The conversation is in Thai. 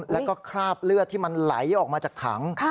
แล้วก็คราบเลือดที่มันไหลออกมาจากถัง